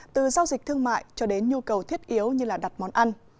từ giao dịch thương mại cho đến nhu cầu thiết yếu như đặt món ăn